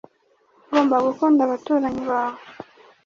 ugomba gukunda abaturanyi bawe